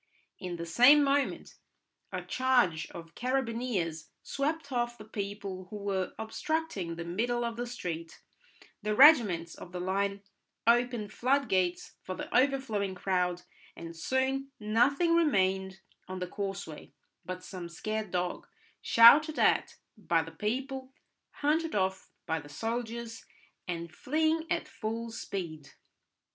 In the same moment a charge of carabineers swept off the people who were obstructing the middle of the street, the regiments of the line opened floodgates for the overflowing crowd, and soon nothing remained on the causeway but some scared dog, shouted at by the people, hunted off by the soldiers, and fleeing at full speed.